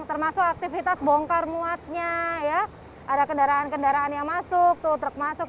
termasuk aktivitas bongkar muatnya ya ada kendaraan kendaraan yang masuk tuh truk masuk